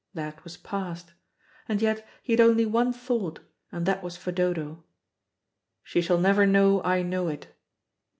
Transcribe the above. That was past. And yet he had only one thought, and that was for Dodo. "She shall never know I know it."